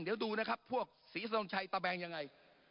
เดี๋ยวดูนะครับพวกศรีทรงชัยตะแบงยังไง